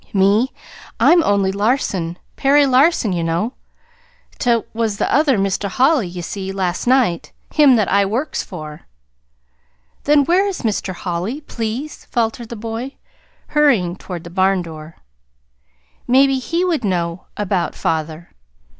"Me I'm only Larson, Perry Larson, ye know. 'T was Mr. Holly you see last night him that I works for." "Then, where is Mr. Holly, please?" faltered the boy, hurrying toward the barn door. "Maybe he would know about father.